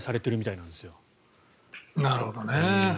なるほどね。